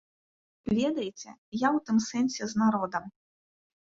Ведаеце, я ў тым сэнсе з народам.